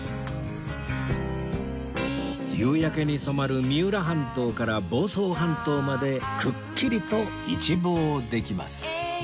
夕焼けに染まる三浦半島から房総半島までくっきりと一望できます